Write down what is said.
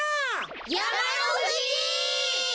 やまのふじ！